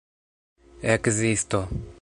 ekzisto